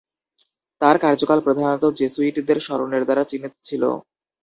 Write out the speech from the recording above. তার কার্যকাল প্রধানত জেসুইটদের স্মরণের দ্বারা চিহ্নিত ছিল।